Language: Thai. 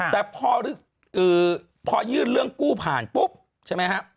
แต่พอยื่นเรื่องกู้ผ่านปุ๊บใช่ไหมฮะ